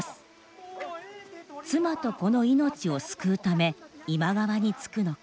妻と子の命を救うため今川につくのか。